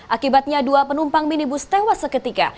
akibatnya dua penumpang minibus tewas seketika